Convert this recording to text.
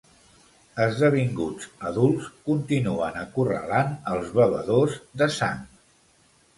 Esdevinguts adults, continuen acorralant els bevedors de sang.